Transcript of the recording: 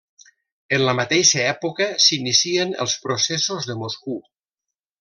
En la mateixa època s'inicien els Processos de Moscou.